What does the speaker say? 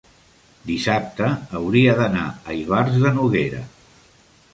dissabte hauria d'anar a Ivars de Noguera.